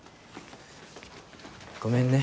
ごめんね。